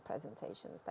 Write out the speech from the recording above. pada saat yang sama